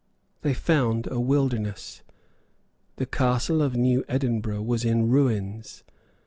They found a wilderness. The castle of New Edinburgh was in ruins.